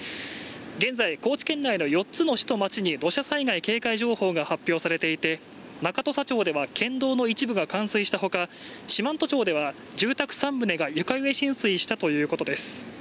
現在、高知県内の４つの市と町に土砂災害警戒情報が発表されていて中土佐町では県道の一部が冠水したほか四万十町では住宅３棟が床上浸水したということです。